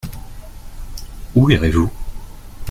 Où irez-vous ?